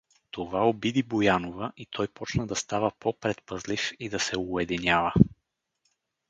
Това обиди Боянова и той почна да става по-предпазлив и да се уединява.